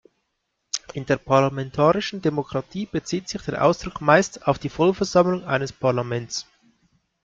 In der parlamentarischen Demokratie bezieht sich der Ausdruck meist auf die Vollversammlung eines Parlaments.